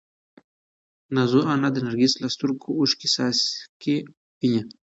نازو انا د نرګس له سترګو د اوښکو څاڅکي ویني.